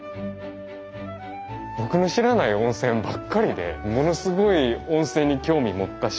僕の知らない温泉ばっかりでものすごい温泉に興味持ったし。